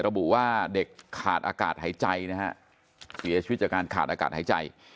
ระบุว่าเด็กขาดอากาศหายใจนะฮะเสียชีวิตจากการขาดอากาศหายใจ